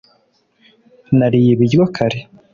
nariye ibiryo kare